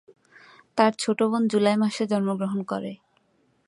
তার ছোট বোন জুলাই মাসে জন্মগ্রহণ করে।